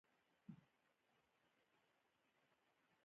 د امريکا د متحده ايالتونو د پولاد جوړولو تشکيل کامياب شو.